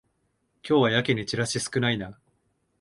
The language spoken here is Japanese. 今日はやけにチラシ少ないな